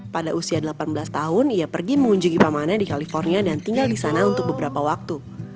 pada usia delapan belas tahun ia pergi mengunjungi pamannya di california dan tinggal di sana untuk beberapa waktu